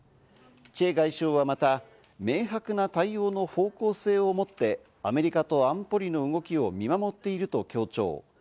チェ外相はまた明白な対応の方向性を持ってアメリカと安保理の動きを見守っていると強調。